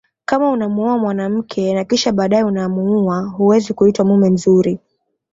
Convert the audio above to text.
Kama unamuoa mwanamke na kisha baadae unamuua huwezi kuitwa mume mzuri